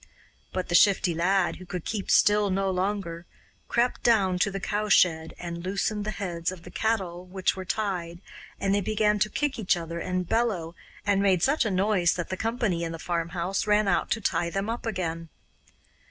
But the Shifty Lad, who could keep still no longer, crept down to the cowshed and loosened the heads of the cattle which were tied, and they began to kick each other and bellow, and made such a noise that the company in the farmhouse ran out to tie them up again.